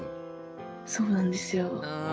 そうなんですよ。